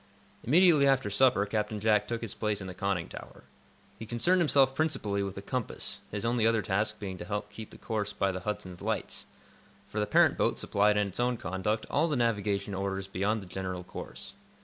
Immediately after supper Captain Jack took his place in the conning tower. He concerned himself principally with the compass, his only other task being to keep the course by the "Hudson's" lights, for the parent boat supplied in its own conduct all the navigation orders beyond the general course.